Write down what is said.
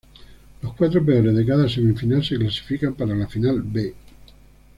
Los cuatro peores de cada semifinal se clasifican para la final 'B'.